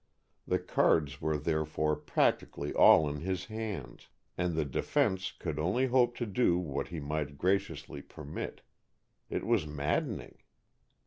The cards were therefore practically all in his hands, and the defence could only hope to do what he might graciously permit. It was maddening.